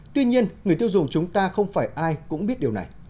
tuy nhiên người tiêu dùng chúng ta không phải ai cũng biết điều này